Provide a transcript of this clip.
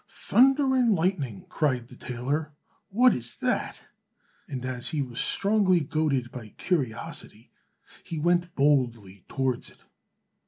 "Thunder and lightning," cried the tailor, "what is that?" and as he was strongly goaded by curiosity, he went boldly towards it.